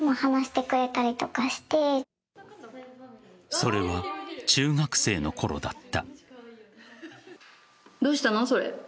それは中学生のころだった。